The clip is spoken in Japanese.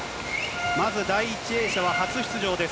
まず第１泳者は、初出場です。